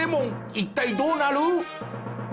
一体どうなる？